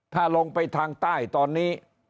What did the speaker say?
ถ้าลงไปทางใต้ตอนนี้